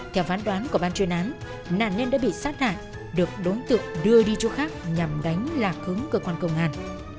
theo phán đoán của ban chuyên án nạn nhân đã bị sát hại được đối tượng đưa đi chỗ khác nhằm đánh lạc hứng cơ quan công an